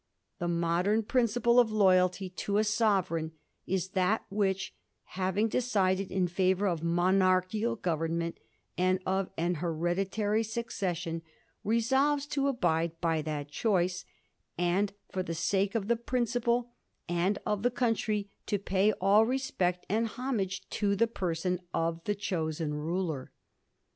The modem principle of loyalty to a sovereign is that which, having decided in favour of monarchical Government and of an hereditary succession, resolves to abide by that choice, and for the sake of the principle and of the country to pay all respect and homage to the person of the chosen ruler.